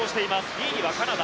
２位にはカナダ。